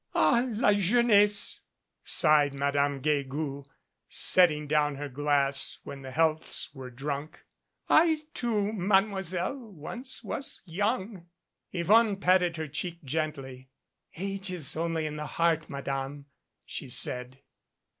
"Ah! la jeunesse!" sighed Madame Guegou, setting down her glass when the healths were drunk. "I, too, Mademoiselle, was once young." Yvonne patted her cheek gently. "Age is only in the heart, Madame," she said.